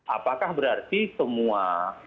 apakah berarti semua